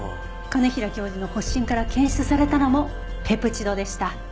兼平教授の発疹から検出されたのもペプチドでした。